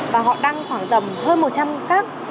và họ đăng khoảng tầm hơn một trăm linh các